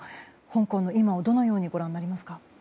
香港の今をどのようにご覧になりますか？